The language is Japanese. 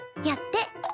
やって。